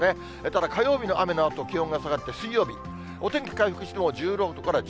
ただ、火曜日の雨のあと、気温が下がって、水曜日、お天気回復しても１６度から１７度。